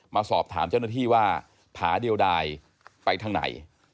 มาสอบถามเจ้าหน้าที่ว่าผาเดียวดายไปทางไหน